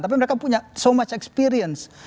tapi mereka punya so much experience